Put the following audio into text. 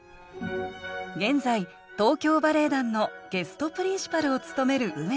現在東京バレエ団のゲストプリンシパルを務める上野さん。